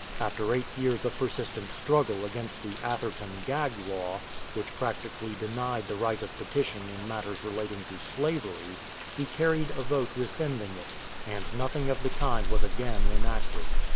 After eight years of persistent struggle against the "Atherton gag law," which practically denied the right of petition in matters relating to slavery, he carried a vote rescinding it, and nothing of the kind was again enacted.